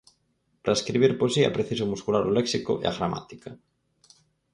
Para escribir poesía é preciso muscular o léxico e a gramática.